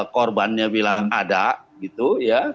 korbannya bilang ada gitu ya